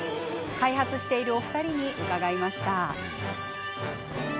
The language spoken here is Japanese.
開発しているお二人に伺いました。